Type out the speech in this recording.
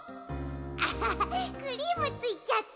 アハハクリームついちゃった。